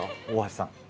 大橋さん。